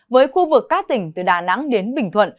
với khu vực các tỉnh từ đà nẵng đến bình thuận